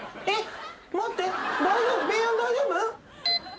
えっ？